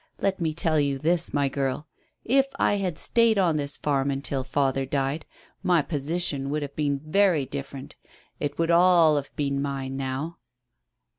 Let me tell you this, my girl: if I had stayed on this farm until father died my position would have been very different. It would all have been mine now."